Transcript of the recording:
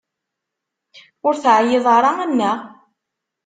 Ur teɛyiḍ ara, annaɣ?